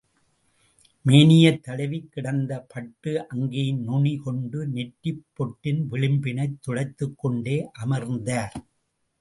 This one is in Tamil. மேனியைத் தழுவிக் கிடந்த பட்டு அங்கியின் நுனி கொண்டு நெற்றிப் பொட்டின் விளிம்பினைத் துடைத்துக்கொண்டே அமர்ந்தார்.